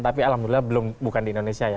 tapi alhamdulillah belum bukan di indonesia ya